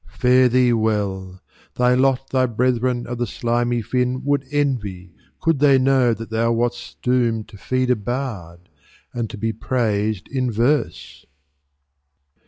Fare thee well! Thy lot thy brethern of the slimy fin Would envy, could they know that thou wast doom'd To feed a bard, and to be prais'd in verse.